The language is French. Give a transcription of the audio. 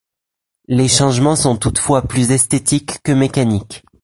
Les changements sont toutefois plus esthétiques que mécaniques.